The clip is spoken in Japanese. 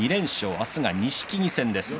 明日は錦木戦です。